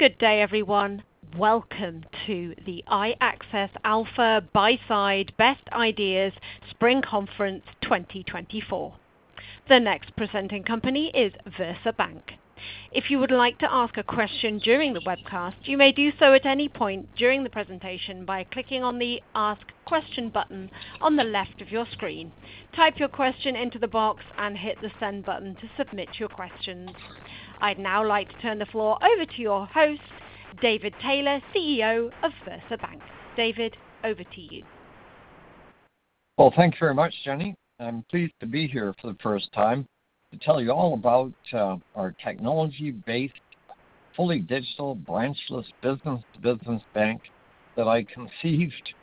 Good day, everyone. Welcome to the iAccess Alpha Buy-Side Best Ideas Spring Conference 2024. The next presenting company is VersaBank. If you would like to ask a question during the webcast, you may do so at any point during the presentation by clicking on the Ask Question button on the left of your screen. Type your question into the box and hit the Send button to submit your questions. I'd now like to turn the floor over to your host, David Taylor, CEO of VersaBank. David, over to you. Well, thank you very much, Jenny. I'm pleased to be here for the first time to tell you all about our technology-based, fully digital, branchless business-to-business bank that I conceived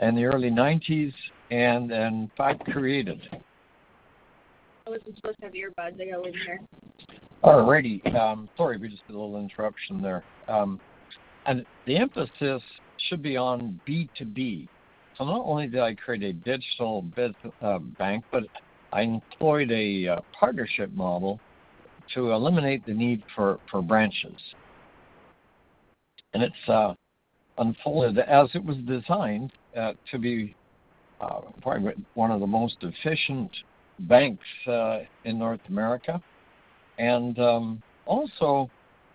in the early 1990s and, in fact, created. I wasn't supposed to have earbuds. They got way in here. All righty. Sorry, we just did a little interruption there. The emphasis should be on B2B. So not only did I create a digital bank, but I employed a partnership model to eliminate the need for branches. It's unfolded as it was designed to be, probably one of the most efficient banks in North America. Also,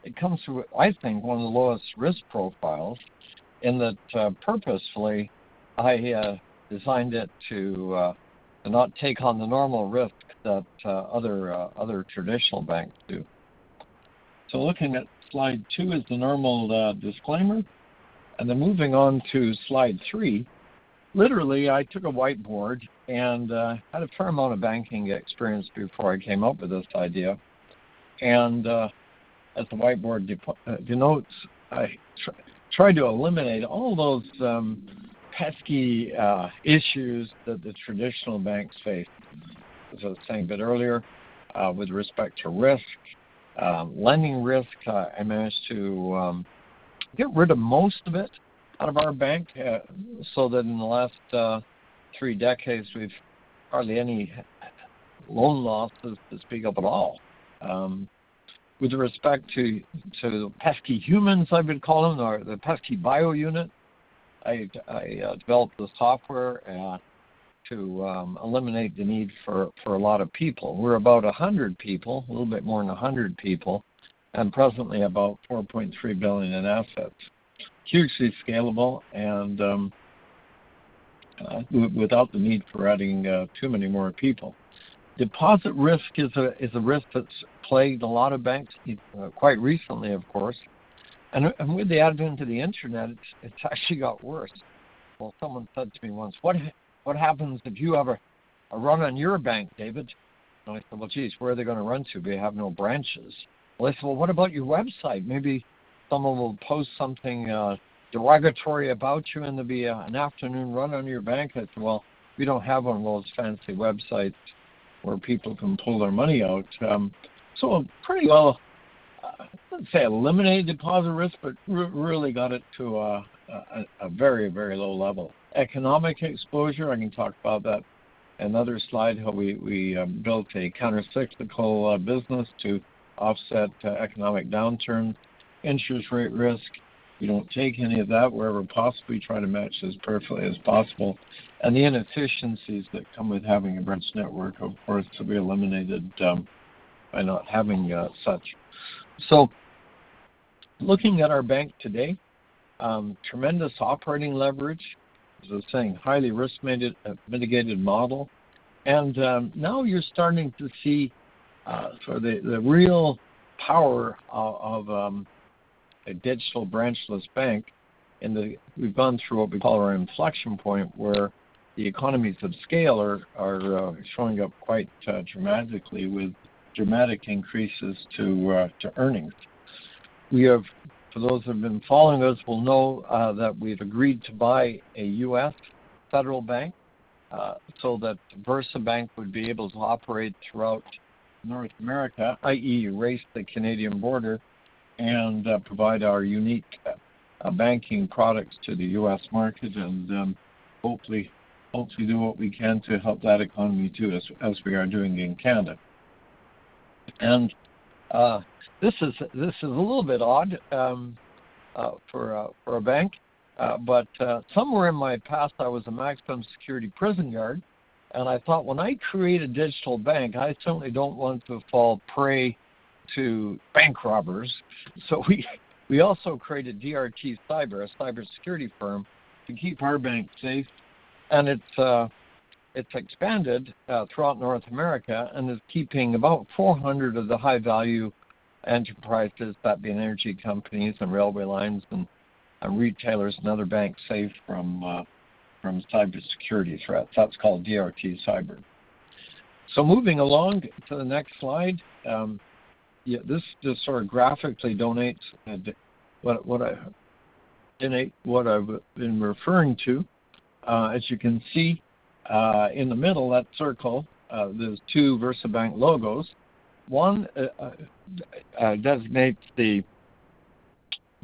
it comes through, I think, one of the lowest risk profiles in that purposefully, I designed it to not take on the normal risk that other traditional banks do. Looking at slide 2 is the normal disclaimer. Then moving on to slide 3, literally, I took a whiteboard and had a fair amount of banking experience before I came up with this idea. As the whiteboard denotes, I tried to eliminate all those pesky issues that the traditional banks faced. As I was saying a bit earlier, with respect to risk, lending risk, I managed to get rid of most of it out of our bank so that in the last three decades, we've hardly any loan losses to speak of at all. With respect to the pesky humans, I would call them, or the pesky bio unit, I developed the software to eliminate the need for a lot of people. We're about 100 people, a little bit more than 100 people, and presently 4.3 billion in assets. Hugely scalable and without the need for adding too many more people. Deposit risk is a risk that's plagued a lot of banks quite recently, of course. With the advent of the internet, it's actually got worse. Well, someone said to me once, "What happens if you have a run on your bank, David?" And I said, "Well, geez, where are they going to run to? They have no branches." Well, they said, "Well, what about your website? Maybe someone will post something derogatory about you and there'll be an afternoon run on your bank." I said, "Well, we don't have one of those fancy websites where people can pull their money out." So pretty well, I wouldn't say eliminated deposit risk, but really got it to a very, very low level. Economic exposure, I can talk about that. Another slide, how we built a countercyclical business to offset economic downturns, interest rate risk. We don't take any of that wherever possible. We try to match as perfectly as possible. The inefficiencies that come with having a branch network, of course, to be eliminated by not having such. Looking at our bank today, tremendous operating leverage, as I was saying, highly risk-mitigated model. Now you're starting to see the real power of a digital branchless bank. We've gone through what we call our inflection point where the economies of scale are showing up quite dramatically with dramatic increases to earnings. For those who have been following us, will know that we've agreed to buy a U.S. federal bank so that VersaBank would be able to operate throughout North America, i.e., erase the Canadian border, and provide our unique banking products to the U.S. market and hopefully do what we can to help that economy too, as we are doing in Canada. And this is a little bit odd for a bank, but somewhere in my past, I was a maximum security prison guard, and I thought, "When I create a digital bank, I certainly don't want to fall prey to bank robbers." So we also created DRT Cyber, a cybersecurity firm, to keep our bank safe. And it's expanded throughout North America and is keeping about 400 of the high-value enterprises, that being energy companies and railway lines and retailers and other banks, safe from cybersecurity threats. That's called DRT Cyber. So moving along to the next slide, this just sort of graphically denotes what I've been referring to. As you can see in the middle, that circle, there's two VersaBank logos. One designates the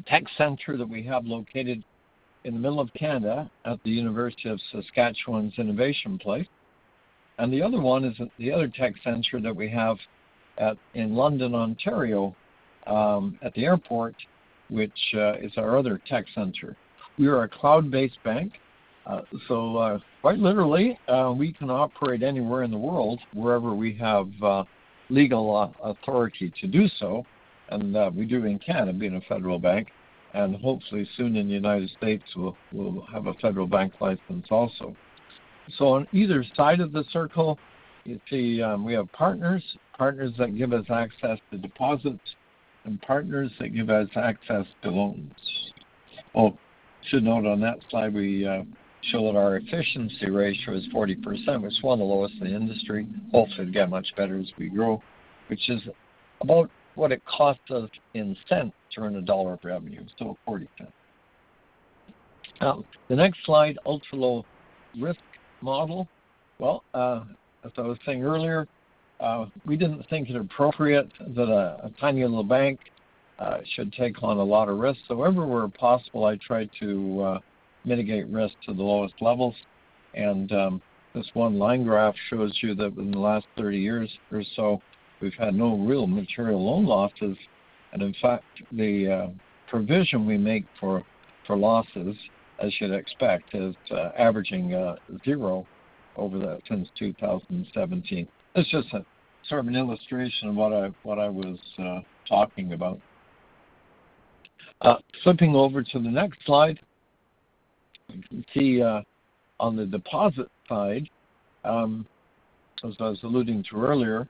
tech center that we have located in the middle of Canada at the University of Saskatchewan's Innovation Place. The other one is the other tech center that we have in London, Ontario, at the airport, which is our other tech center. We are a cloud-based bank, so quite literally, we can operate anywhere in the world wherever we have legal authority to do so. We do in Canada, being a federal bank, and hopefully soon in the United States, we'll have a federal bank license also. So on either side of the circle, you see we have partners, partners that give us access to deposits, and partners that give us access to loans. Well, I should note on that slide, we show that our Efficiency Ratio is 40%, which is one of the lowest in the industry. Hopefully, it'll get much better as we grow, which is about what it costs us in cents to earn a dollar of revenue, so 0.40. The next slide, ultra-low risk model. Well, as I was saying earlier, we didn't think it appropriate that a tiny little bank should take on a lot of risk. So everywhere possible, I tried to mitigate risk to the lowest levels. This one line graph shows you that in the last 30 years or so, we've had no real material loan losses. In fact, the provision we make for losses, as you'd expect, is averaging zero since 2017. It's just sort of an illustration of what I was talking about. Flipping over to the next slide, you can see on the deposit side, as I was alluding to earlier,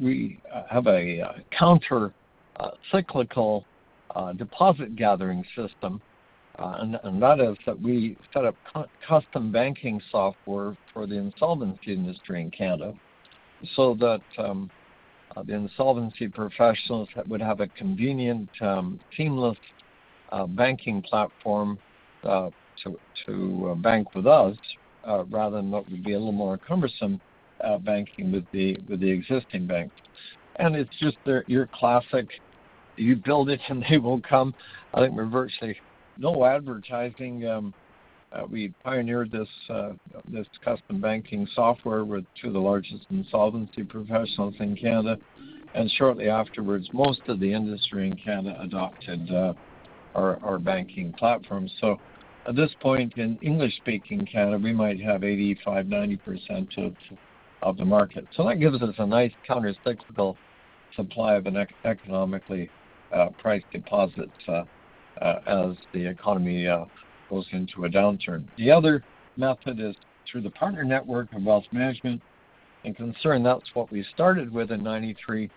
we have a countercyclical deposit gathering system. That is that we set up custom banking software for the insolvency industry in Canada so that the insolvency professionals would have a convenient, seamless banking platform to bank with us rather than what would be a little more cumbersome banking with the existing bank. It's just your classic, you build it and they will come. I think we're virtually no advertising. We pioneered this custom banking software with two of the largest insolvency professionals in Canada. Shortly afterwards, most of the industry in Canada adopted our banking platform. So at this point, in English-speaking Canada, we might have 85%-90% of the market. So that gives us a nice countercyclical supply of an economically priced deposit as the economy goes into a downturn. The other method is through the partner network of wealth management. In contrast, that's what we started with in 1993.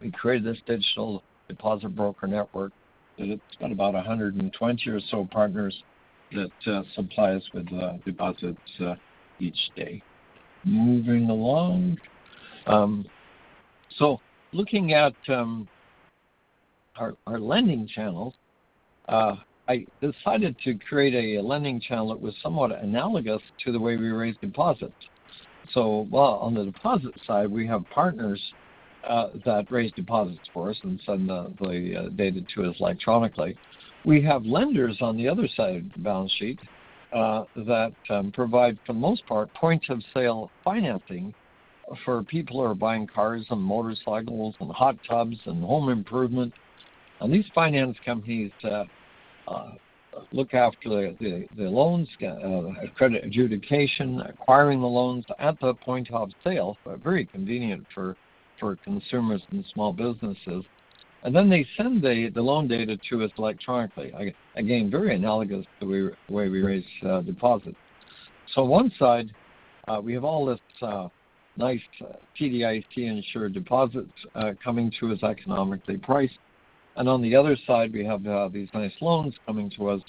We created this digital deposit broker network. It's got about 120 or so partners that supply us with deposits each day. Moving along. So looking at our lending channels, I decided to create a lending channel that was somewhat analogous to the way we raise deposits. So while on the deposit side, we have partners that raise deposits for us and send the data to us electronically, we have lenders on the other side of the balance sheet that provide, for the most part, point-of-sale financing for people who are buying cars and motorcycles and hot tubs and home improvement. And these finance companies look after the loans, credit adjudication, acquiring the loans at the point of sale, very convenient for consumers and small businesses. And then they send the loan data to us electronically, again, very analogous to the way we raise deposits. So on one side, we have all this nice CDIC-insured deposits coming to us economically priced. And on the other side, we have these nice loans coming to us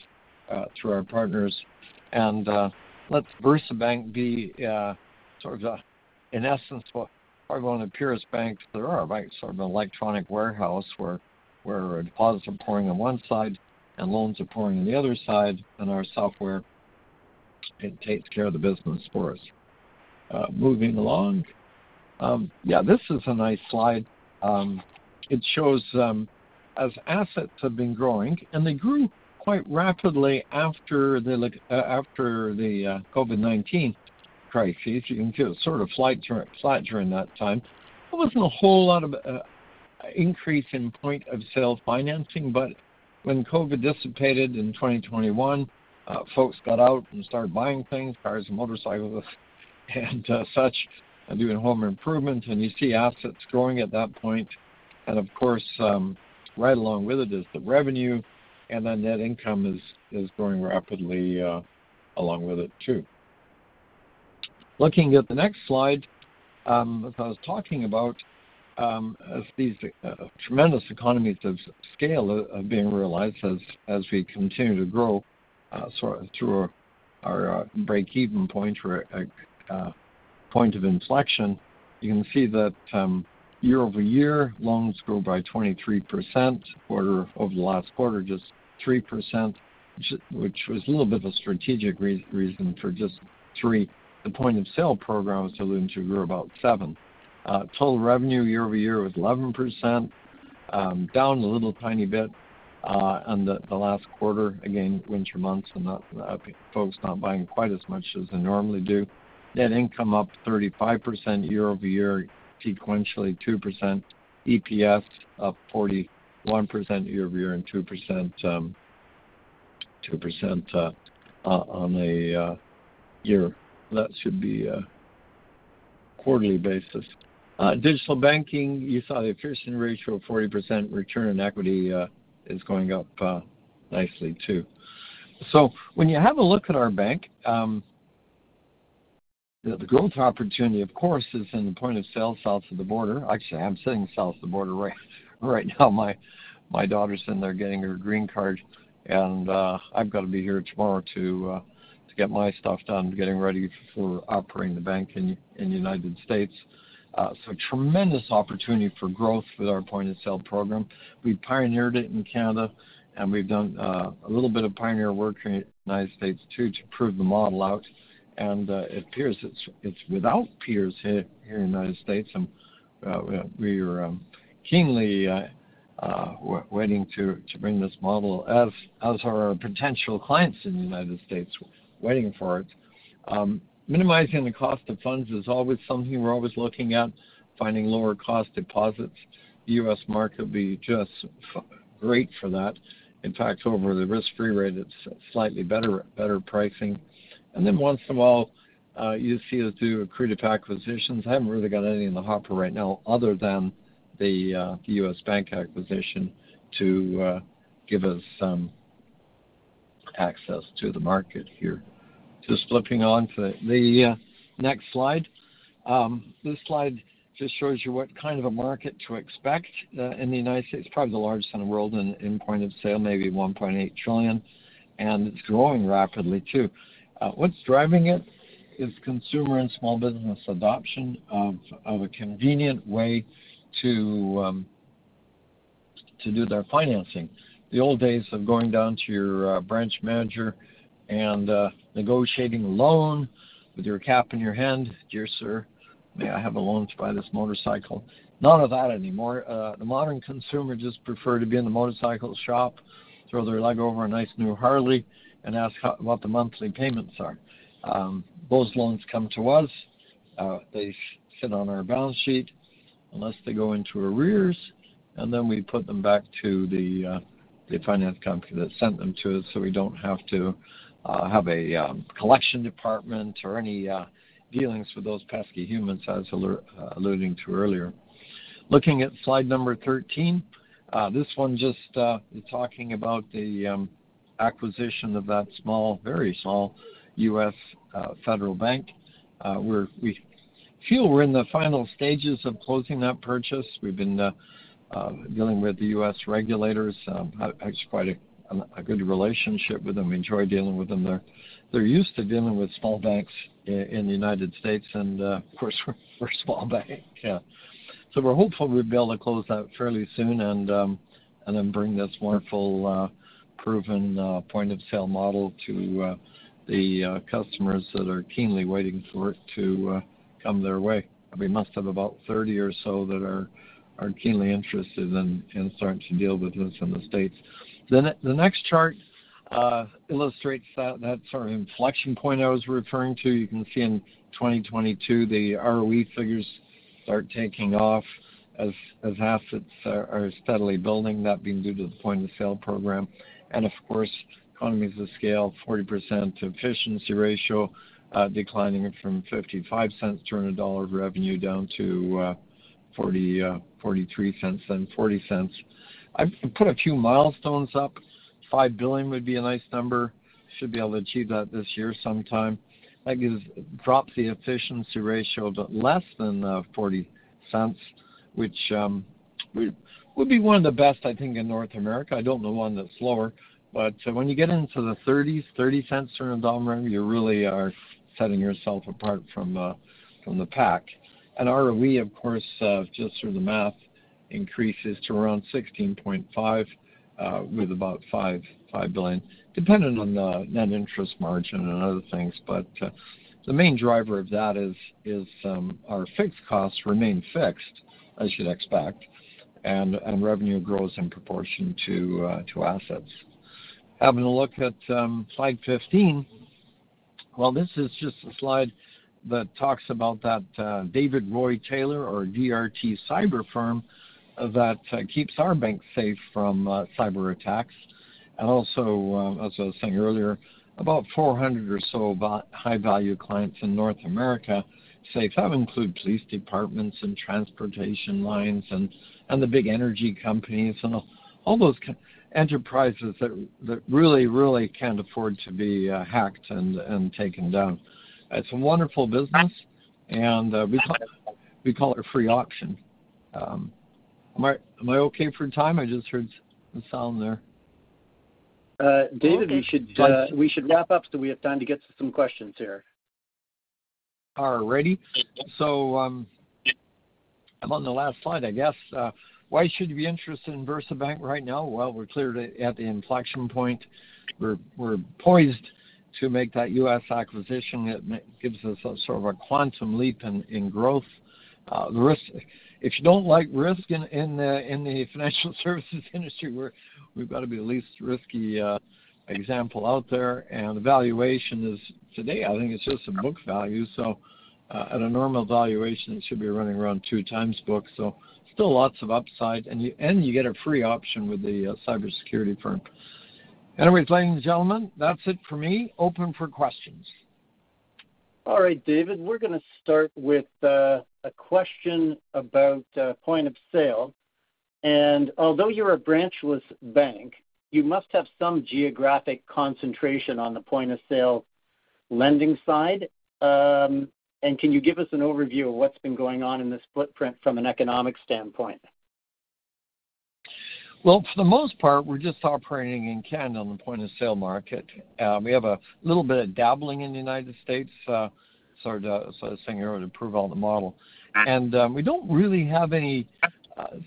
through our partners. And let VersaBank be sort of, in essence, probably one of the purest banks there are, right, sort of an electronic warehouse where a deposit is pouring on one side and loans are pouring on the other side, and our software, it takes care of the business for us. Moving along. Yeah, this is a nice slide. It shows, as assets have been growing, and they grew quite rapidly after the COVID-19 crisis. You can see it sort of flattened during that time. There wasn't a whole lot of increase in point of sale financing, but when COVID dissipated in 2021, folks got out and started buying things, cars and motorcycles and such, doing home improvement. You see assets growing at that point. And of course, right along with it is the revenue, and then net income is growing rapidly along with it too. Looking at the next slide, as I was talking about, as these tremendous economies of scale are being realized as we continue to grow through our break-even point or point of inflection, you can see that year-over-year, loans grew by 23% over the last quarter, just 3%, which was a little bit of a strategic reason for just three. The point of sale program was alluded to grew about 7%. Total revenue year-over-year was 11%, down a little tiny bit in the last quarter, again, winter months and folks not buying quite as much as they normally do. Net income up 35% year-over-year, sequentially 2%. EPS up 41% year-over-year and 2% on a year that should be a quarterly basis. Digital banking, you saw the efficiency ratio of 40%. Return on equity is going up nicely too. So when you have a look at our bank, the growth opportunity, of course, is in the point of sale south of the border. Actually, I'm sitting south of the border right now. My daughter's in there getting her green card, and I've got to be here tomorrow to get my stuff done, getting ready for operating the bank in the United States. So tremendous opportunity for growth with our point of sale program. We pioneered it in Canada, and we've done a little bit of pioneer work here in the United States too to prove the model out. And it appears it's without peers here in the United States. We are keenly waiting to bring this model as are our potential clients in the United States waiting for it. Minimizing the cost of funds is always something we're always looking at, finding lower-cost deposits. The U.S. market would be just great for that. In fact, over the risk-free rate, it's slightly better pricing. And then once in a while, you see us do accretive acquisitions. I haven't really got any in the hopper right now other than the U.S. bank acquisition to give us access to the market here. Just flipping on to the next slide. This slide just shows you what kind of a market to expect in the United States. It's probably the largest in the world in point of sale, maybe $1.8 trillion. And it's growing rapidly too. What's driving it is consumer and small business adoption of a convenient way to do their financing. The old days of going down to your branch manager and negotiating a loan with your cap in your hand, "Dear sir, may I have a loan to buy this motorcycle?" None of that anymore. The modern consumer just prefer to be in the motorcycle shop, throw their leg over a nice new Harley, and ask what the monthly payments are. Those loans come to us. They sit on our balance sheet unless they go into arrears, and then we put them back to the finance company that sent them to us so we don't have to have a collection department or any dealings with those pesky humans, as I was alluding to earlier. Looking at slide number 13, this one just is talking about the acquisition of that very small U.S. federal bank. We feel we're in the final stages of closing that purchase. We've been dealing with the U.S. regulators. I actually have quite a good relationship with them. We enjoy dealing with them. They're used to dealing with small banks in the United States, and of course, we're a small bank. So we're hopeful we'll be able to close that fairly soon and then bring this wonderful, proven point of sale model to the customers that are keenly waiting for it to come their way. We must have about 30 or so that are keenly interested in starting to deal with this in the States. The next chart illustrates that sort of inflection point I was referring to. You can see in 2022, the ROE figures start taking off as assets are steadily building, that being due to the point of sale program. Of course, economies of scale, 40% efficiency ratio, declining from 0.55 to earn CAD 1 of revenue down to 0.43 and 0.40. I've put a few milestones up. 5 billion would be a nice number. Should be able to achieve that this year sometime. That drops the efficiency ratio to less than 0.40, which would be one of the best, I think, in North America. I don't know one that's lower. But when you get into the 30s, 0.30 to earn a dollar of revenue, you really are setting yourself apart from the pack. And ROE, of course, just through the math, increases to around 16.5 with about 5 billion, depending on the net interest margin and other things. But the main driver of that is our fixed costs remain fixed, as you'd expect, and revenue grows in proportion to assets. Having a look at slide 15, well, this is just a slide that talks about that David Roy Taylor or DRT Cyber firm that keeps our banks safe from cyber attacks. And also, as I was saying earlier, about 400 or so high-value clients in North America are safe. That includes police departments and transportation lines and the big energy companies and all those enterprises that really, really can't afford to be hacked and taken down. It's a wonderful business, and we call it free option. Am I okay for time? I just heard a sound there. David, we should wrap up so we have time to get to some questions here. All righty. So I'm on the last slide, I guess. Why should you be interested in VersaBank right now? Well, we're clear at the inflection point. We're poised to make that U.S. acquisition. It gives us sort of a quantum leap in growth. If you don't like risk in the financial services industry, we've got to be the least risky example out there. And the valuation is today, I think it's just a book value. So at a normal valuation, it should be running around 2 times book. So still lots of upside. And you get a free auction with the cybersecurity firm. Anyways, ladies and gentlemen, that's it for me. Open for questions. All right, David. We're going to start with a question about point of sale. Although you're a branchless bank, you must have some geographic concentration on the point of sale lending side. Can you give us an overview of what's been going on in this footprint from an economic standpoint? Well, for the most part, we're just operating in Canada on the point-of-sale market. We have a little bit of dabbling in the United States, sort of saying you're going to approve all the model. We don't really have any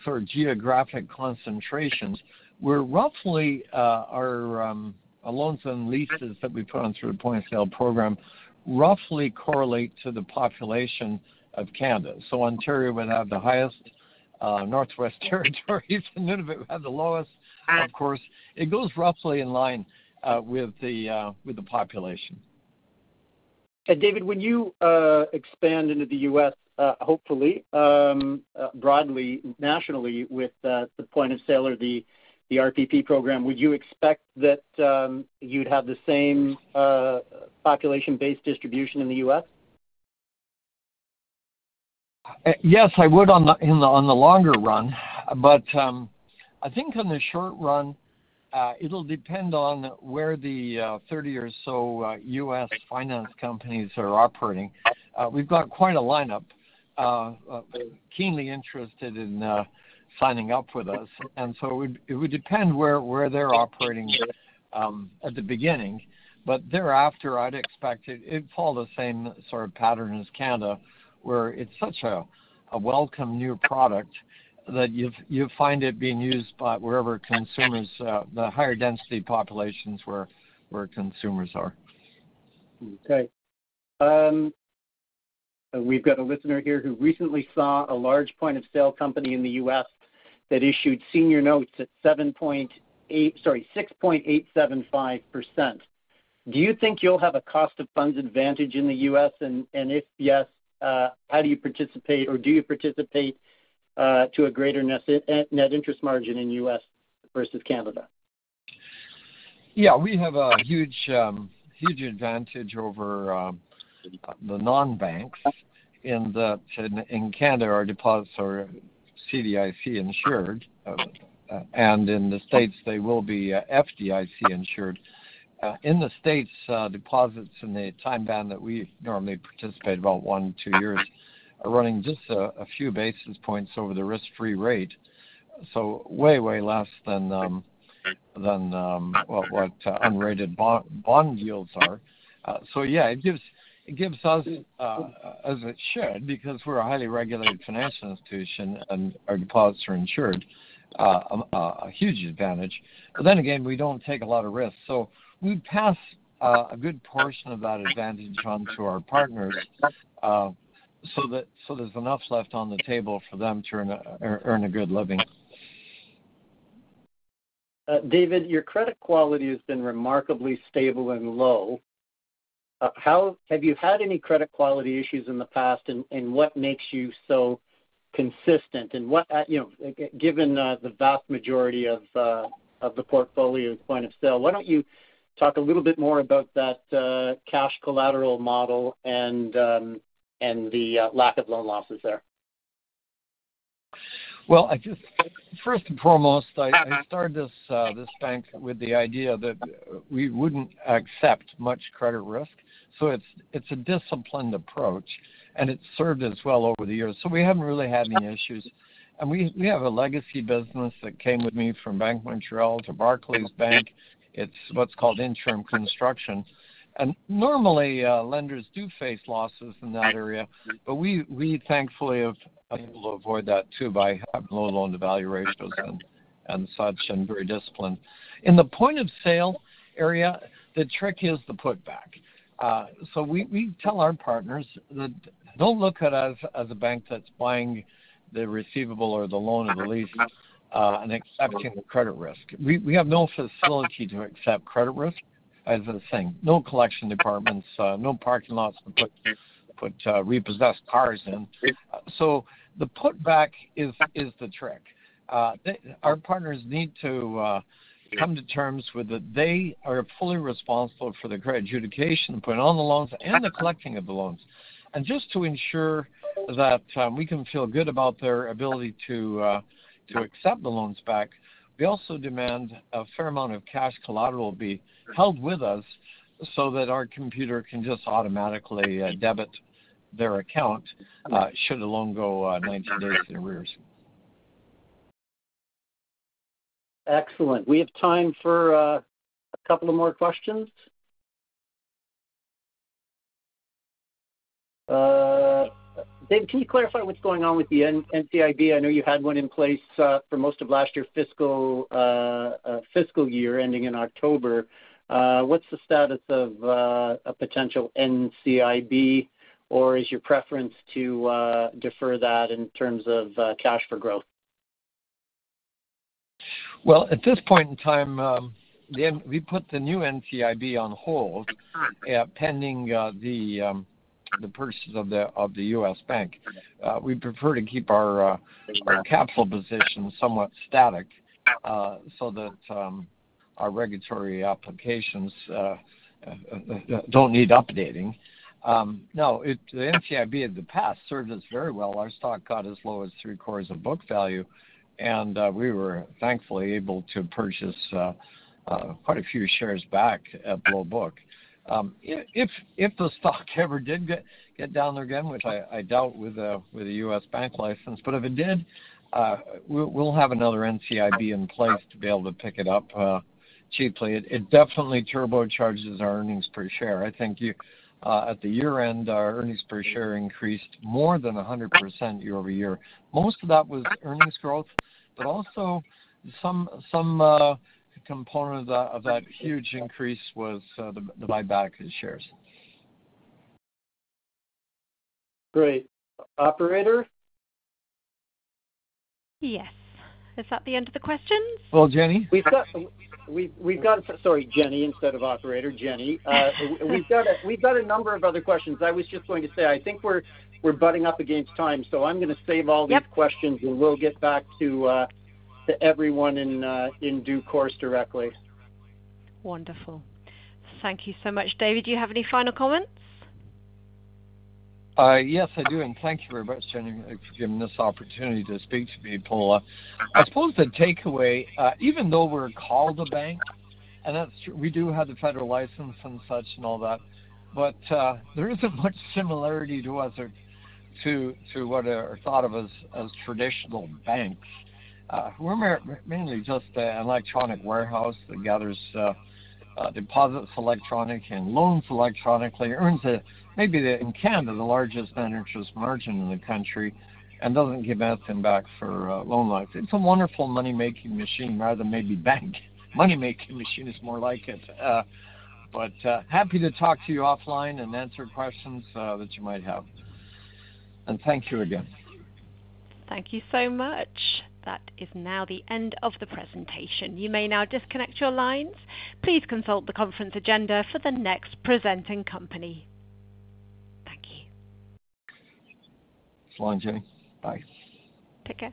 sort of geographic concentrations. Roughly, our loans and leases that we put on through the point-of-sale program roughly correlate to the population of Canada. Ontario would have the highest, Northwest Territories and Nunavut would have the lowest, of course. It goes roughly in line with the population. David, when you expand into the U.S., hopefully, broadly, nationally, with the point of sale or the RPP program, would you expect that you'd have the same population-based distribution in the U.S.? Yes, I would on the longer run. But I think on the short run, it'll depend on where the 30 or so U.S. finance companies are operating. We've got quite a lineup keenly interested in signing up with us. And so it would depend where they're operating at the beginning. But thereafter, I'd expect it'd follow the same sort of pattern as Canada, where it's such a welcome new product that you find it being used by wherever the higher-density populations where consumers are. Okay. We've got a listener here who recently saw a large point of sale company in the U.S. that issued senior notes at 6.875%. Do you think you'll have a cost of funds advantage in the U.S.? And if yes, how do you participate or do you participate to a greater net interest margin in the U.S. versus Canada? Yeah, we have a huge advantage over the non-banks. In Canada, our deposits are CDIC insured. And in the States, they will be FDIC insured. In the States, deposits in the time band that we normally participate about one-two years are running just a few basis points over the risk-free rate, so way, way less than what unrated bond yields are. So yeah, it gives us, as it should, because we're a highly regulated financial institution and our deposits are insured, a huge advantage. But then again, we don't take a lot of risks. So we pass a good portion of that advantage on to our partners so that there's enough left on the table for them to earn a good living. David, your credit quality has been remarkably stable and low. Have you had any credit quality issues in the past? What makes you so consistent? Given the vast majority of the portfolio is point of sale, why don't you talk a little bit more about that cash collateral model and the lack of loan losses there? Well, first and foremost, I started this bank with the idea that we wouldn't accept much credit risk. So it's a disciplined approach, and it's served us well over the years. So we haven't really had any issues. And we have a legacy business that came with me from Bank of Montreal to Barclays Bank. It's what's called interim construction. And normally, lenders do face losses in that area. But we thankfully have been able to avoid that too by having low loan evaluations and such and very disciplined. In the point of sale area, the trick is the putback. So we tell our partners that don't look at us as a bank that's buying the receivable or the loan or the lease and accepting the credit risk. We have no facility to accept credit risk, as I was saying. No collection departments, no parking lots to put repossessed cars in. The Putback is the trick. Our partners need to come to terms with that they are fully responsible for the credit adjudication, putting on the loans, and the collecting of the loans. Just to ensure that we can feel good about their ability to accept the loans back, we also demand a fair amount of cash collateral be held with us so that our computer can just automatically debit their account should a loan go 19 days in arrears. Excellent. We have time for a couple of more questions. David, can you clarify what's going on with the NCIB? I know you had one in place for most of last year's fiscal year ending in October. What's the status of a potential NCIB, or is your preference to defer that in terms of cash for growth? Well, at this point in time, we put the new NCIB on hold pending the purchase of the U.S. bank. We prefer to keep our capital position somewhat static so that our regulatory applications don't need updating. No, the NCIB in the past served us very well. Our stock got as low as three-quarters of book value, and we were thankfully able to purchase quite a few shares back at low book. If the stock ever did get down there again, which I doubt with a U.S. bank license, but if it did, we'll have another NCIB in place to be able to pick it up cheaply. It definitely turbocharges our earnings per share. I think at the year-end, our earnings per share increased more than 100% year-over-year. Most of that was earnings growth, but also some component of that huge increase was the buyback of shares. Great. Operator? Yes. Is that the end of the questions? Well, Jenny? We've got, sorry, Jenny, instead of operator. Jenny. We've got a number of other questions. I was just going to say, I think we're butting up against time, so I'm going to save all these questions, and we'll get back to everyone in due course directly. Wonderful. Thank you so much. David, do you have any final comments? Yes, I do. Thank you very much, Jenny, for giving this opportunity to speak to people. I suppose the takeaway, even though we're called a bank, and we do have the federal license and such and all that, but there isn't much similarity to us or to what are thought of as traditional banks. We're mainly just an electronic warehouse that gathers deposits electronically and loans electronically, earns maybe in Canada the largest net interest margin in the country, and doesn't give anything back for loan losses. It's a wonderful money-making machine rather than maybe bank. Money-making machine is more like it. Happy to talk to you offline and answer questions that you might have. Thank you again. Thank you so much. That is now the end of the presentation. You may now disconnect your lines. Please consult the conference agenda for the next presenting company. Thank you. It's fine, Jenny. Bye. Take care.